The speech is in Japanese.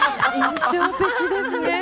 印象的ですね。